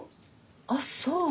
あっそう。